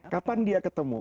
kapan dia ketemu